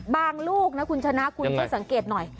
บางลูกนะคุณชนะคุณพี่สังเกตหน่อย